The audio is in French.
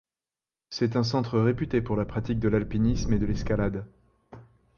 C'est un centre réputé pour la pratique de l’alpinisme et de l'escalade.